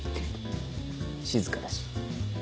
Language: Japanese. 静かだし。